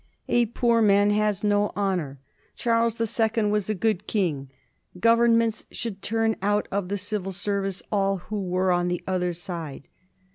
"A poor man has no honour." "Charles the Second was a good King." "Governments should turn out of the Civil Service all who were on the other side."